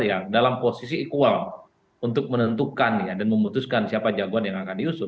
yang dalam posisi equal untuk menentukan dan memutuskan siapa jagoan yang akan diusung